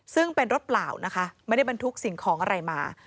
ซึ่งเป็นรถเปล่านะคะไม่ได้บรรทุกสิ่งของอะไรมา